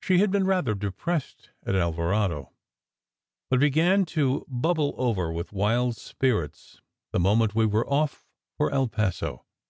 She had been rather depressed at Alvarado, but began to bubble over with wild spirits the moment we were off for El Paso.